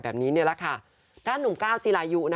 แบบนี้แล้วค่ะด้านหนุ่ม๙จีลายุ